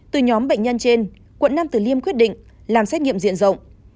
từ nhóm bệnh nhân trên quận năm từ liêm quyết định làm xét nghiệm diện rộng